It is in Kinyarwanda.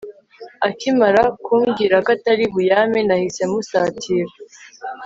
Akimara kumbwira ko atari buyampe nahise musatira